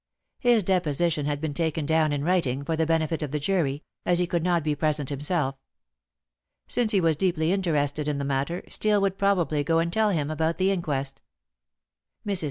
His deposition had been taken down in writing, for the benefit of the jury, as he could not be present himself. Since he was deeply interested in the matter, Steel would probably go and tell him about the inquest. Mrs.